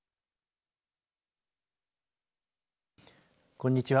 こんにちは。